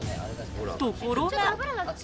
ところが。